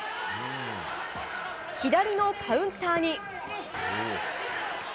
左のカウンターに。